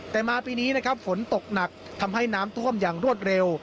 แต่มาปีนี้นะครับฝนตกหนักทำให้น้ำท่วมอย่างรวดเร็ว